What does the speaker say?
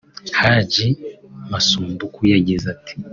Hadji Masumbuku yagize ati